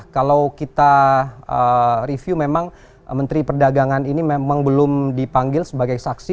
kalau kita review memang menteri perdagangan ini memang belum dipanggil sebagai saksi